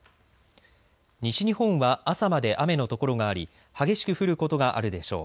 西日本は朝まで雨の所があり激しく降ることがあるでしょう。